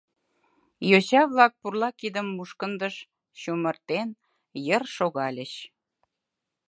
Йоча-влак, пурла кидым мушкындыш чумыртен, йыр шогальыч.